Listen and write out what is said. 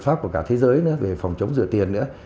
hoặc cả thế giới nữa về phòng chống dừa tiền nữa